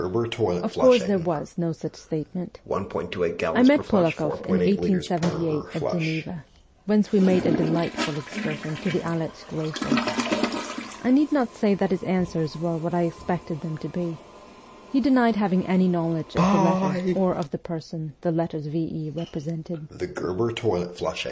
Of course there was no such statement. I met Polakoff in 1878 at Geneva, whence we made a delightful excursion to the Aletsch glacier. I need not say that his answers were what I expected them to be : he denied having any knowledge of the letter, or of the person the letters V. E. represented.